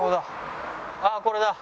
ああここだ。